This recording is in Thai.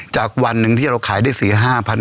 จากวันนึงที่เราขายได้๔๕พันบาทนะครับ